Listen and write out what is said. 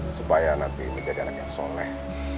supaya nanti menjadi anak yang soleh